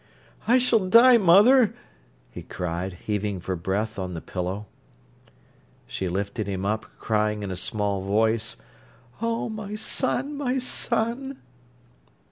"I s'll die, mother!" he cried, heaving for breath on the pillow. She lifted him up, crying in a small voice: "Oh, my son—my son!"